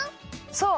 そう！